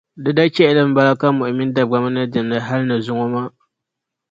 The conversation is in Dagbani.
Di dachɛhili mbala ka Mohi mini Dagbamba na diɛmdi hali ni zuŋɔ maa.